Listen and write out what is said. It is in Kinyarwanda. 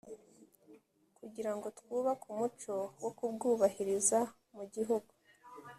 kugirango twubake umuco wo kubwubahiriza mu gihugu